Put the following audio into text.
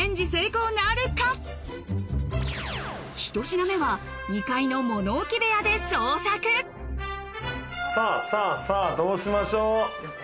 １品目は２階の物置部屋で捜索さぁさぁさぁどうしましょう。